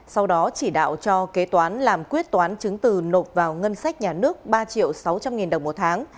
sau đó chỉ đạo cho kế toán làm quyết toán chứng từ nộp vào ngân sách nhà nước ba triệu sáu trăm linh nghìn đồng một tháng